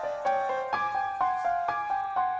umi aku mau ke rumah